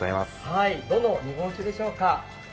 どの日本酒でしょうか？